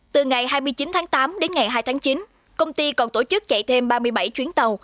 từ ngày hai mươi chín tháng tám đến ngày hai tháng chín công ty còn tổ chức chạy thêm ba mươi bảy chuyến tàu